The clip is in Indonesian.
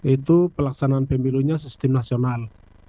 itu pelaksanaan pemilunya sistem nasional